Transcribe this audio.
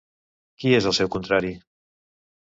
Qui és el seu contrari?